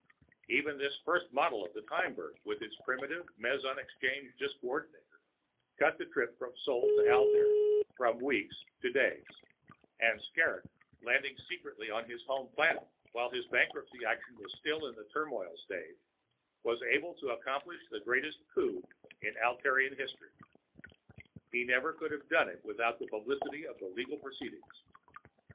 Even this first model of the Timebird, with its primitive meson exchange discoordinator, cut the trip from Sol to Altair from weeks to days, and Skrrgck, landing secretly on his home planet while his bankruptcy action was still in the turmoil stage, was able to accomplish the greatest "coup" in Altairian history. He never could have done it without the publicity of the legal proceedings.